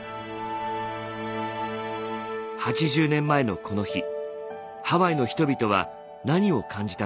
８０年前のこの日ハワイの人々は何を感じたのか。